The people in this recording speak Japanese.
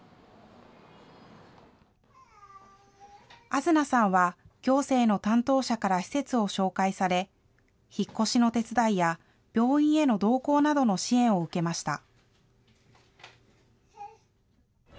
あづなさんは行政の担当者から施設を紹介され、引っ越しの手伝いや病院への同行などの支援を受けました。